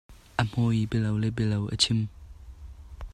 A hmaw i bialo le bialo a chim.